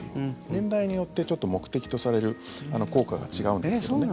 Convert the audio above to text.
年代によって、ちょっと目的とされる効果が違うんですけどね。